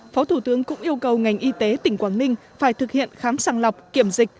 phó thủ tướng cũng yêu cầu ngành y tế tỉnh quảng ninh phải thực hiện khám sàng lọc kiểm dịch